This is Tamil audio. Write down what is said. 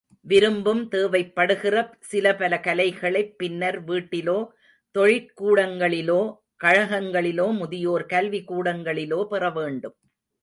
விரும்பும் தேவைப்படுகிற சில பல கலைகளைப் பின்னர் வீட்டிலோ, தொழிற்கூடங்களிலோ, கழகங்களிலோ, முதியோர் கல்வி கூடங்களிலோ பெறவேண்டும்.